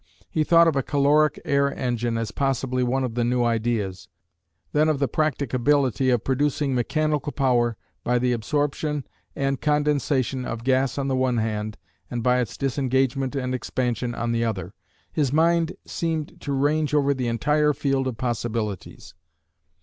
He thought of a caloric air engine as possibly one of the new ideas; then of the practicability of producing mechanical power by the absorption and condensation of gas on the one hand and by its disengagement and expansion on the other. His mind seemed to range over the entire field of possibilities.